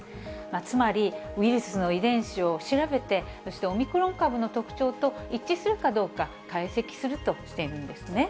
つまり、ウイルスの遺伝子を調べて、そしてオミクロン株の特徴と一致するかどうか、解析するとしているんですね。